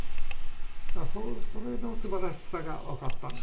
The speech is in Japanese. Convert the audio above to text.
だからそれのすばらしさが分かったんですよね。